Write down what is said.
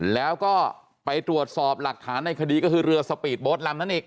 แล้วก็ไปตรวจสอบหลักฐานในคดีก็คือเรือสปีดโบ๊ทลำนั้นอีก